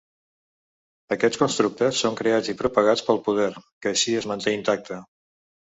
Aquests constructes són creats i propagats pel poder, que així es manté intacte.